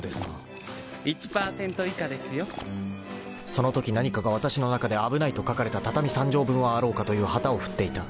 ［そのとき何かがわたしの中で危ないと書かれた畳３畳分はあろうかという旗を振っていた］